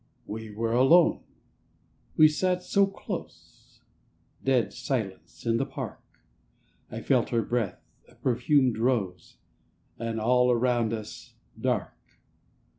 ... We were alone ... We sat so close ... Dead silence in the park ... I felt her breath — a perfumed rose, And all around us—dark